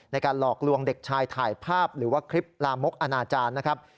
หลอกลวงเด็กชายถ่ายภาพหรือว่าคลิปลามกอนาจารย์นะครับ